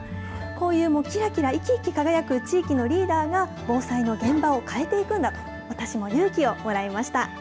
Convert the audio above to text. こういう、きらきら生き生き輝く地域のリーダーが、防災の現場を変えていくんだと、私も勇気をもらえました。